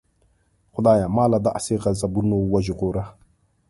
خدایه ما له داسې غضبونو وژغوره.